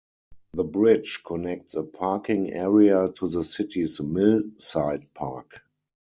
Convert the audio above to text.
The bridge connects a parking area to the city's Mill Site Park.